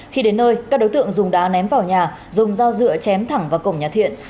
khi đến nơi các đối tượng dùng đá ném vào nhà dùng dao dựa chém thẳng vào cổng nhà thiện